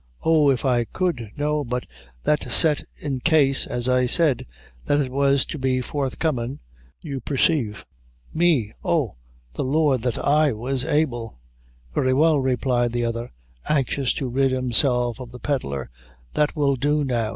"Oh, if I could! no, but that set in case, as I said, that it was to be forthcomin', you persave. Me! oh, the Lord that I was able!" "Very well," replied the other, anxious to rid himself of the pedlar, "that will do, now.